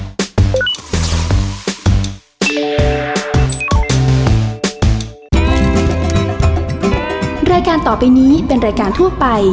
บริการ์เมตติดตาม